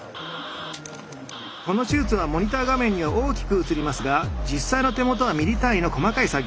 この手術はモニター画面には大きく映りますが実際の手元はミリ単位の細かい作業。